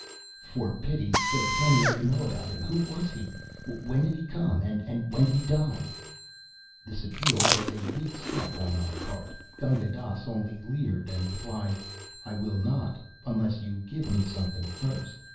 "For pity's sake tell me all you know about him. Who was he? When did he come, and when did he die?" This appeal was a weak step on my part. Gunga Dass only leered and replied: "I will not unless you give me something first."